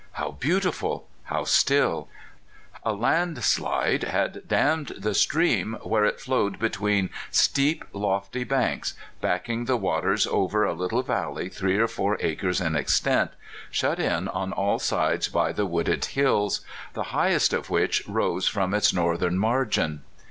How beautiful ! how still ! A land slide had dammed the stream where it flowed between steep, lofty banks, back A DAY. 245 ing the waters over a little valley three or four acres in extent, shut in on all sides by the wooded hills, the highest of which rose from its northern margin.